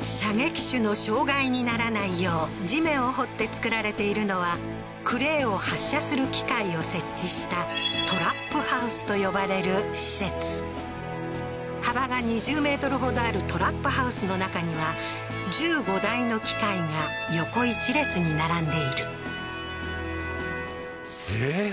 射撃手の障害にならないよう地面を掘って造られているのはクレーを発射する機械を設置したトラップハウスと呼ばれる施設幅が２０ｍほどあるトラップハウスの中には１５台の機械が横一列に並んでいるええー